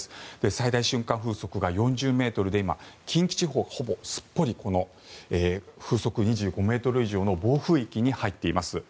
最大瞬間風速が４０ｍで今、近畿地方、ほぼすっぽり風速２５ｍ以上の暴風域に入っています。